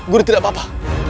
guru tidak apa apa